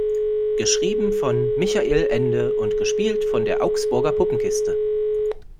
Geschrieben von Michael Ende und gespielt von der Augsburger Puppenkiste.